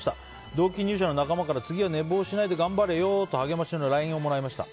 同期入社の仲間から次は寝坊しないで頑張れよと励ましのＬＩＮＥをもらいました。